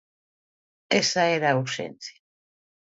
Esa era a urxencia.